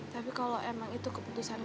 tapi kalau emang itu keputusan